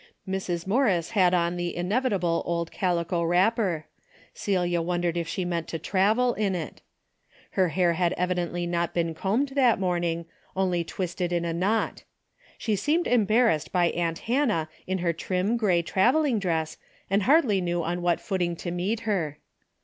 Mrs. Morris had on the inevitable old calico wrapper. Celia wondered if she meant to DAILY RATEA' 131 travel in it. Her hair had evidently not been combed that morning, only twisted in a knot. She seemed embarrassed by aunt Hannah in her trim grey traveling dress, and hardly knew on what footing to meet her.